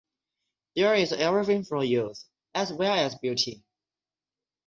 There is every thing for use as well as beauty.